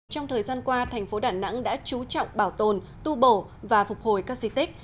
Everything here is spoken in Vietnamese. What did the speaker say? trong thời gian qua thành phố đà nẵng đã trú trọng bảo tồn tu bổ và phục hồi các di tích